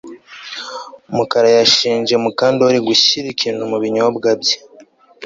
Mukara yashinje Mukandoli gushyira ikintu mu binyobwa bye